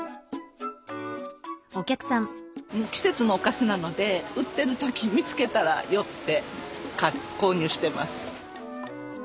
季節のお菓子なので売ってる時見つけたら寄って購入してます。